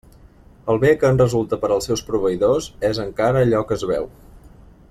El bé que en resulta per als seus proveïdors, és encara allò que es veu.